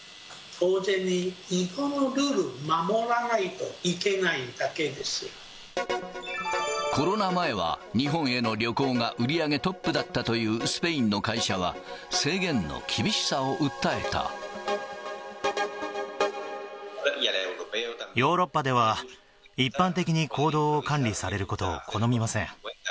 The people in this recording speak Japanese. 当然に、日本のルールを守らないコロナ前は、日本への旅行が売り上げトップだったというスペインの会社は、ヨーロッパでは、一般的に、行動を管理されることを好みません。